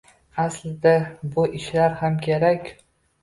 Aslida bu ishlar ham kerak.